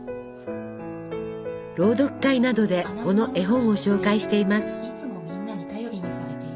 朗読会などでこの絵本を紹介しています。